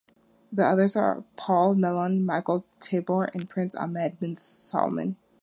The others are Paul Mellon, Michael Tabor, and Prince Ahmed bin Salman.